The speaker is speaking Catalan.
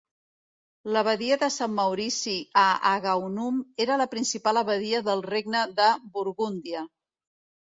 L'abadia de Sant Maurici a Agaunum era la principal abadia del regne de Burgúndia.